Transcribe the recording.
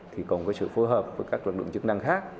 thì còn có sự phối hợp với các lực lượng chức năng khác